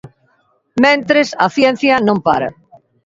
Mentres, a ciencia non para.